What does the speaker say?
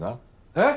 えっ？